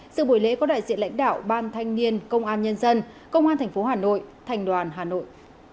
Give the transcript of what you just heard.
sự buổi lễ có đại diện lãnh đạo ban thanh niên công an nhân dân công an tp hà nội thành đoàn hà nội